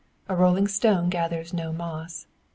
A rolling stone gathers no moss.